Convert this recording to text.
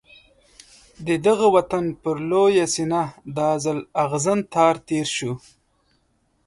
د دغه وطن پر لویه سینه دا ځل اغزن تار تېر شو.